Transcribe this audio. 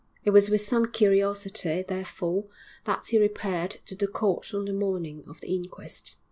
It was with some curiosity, therefore, that he repaired to the court on the morning of the inquest.